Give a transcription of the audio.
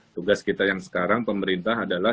tugas kita yang sekarang pemerintah adalah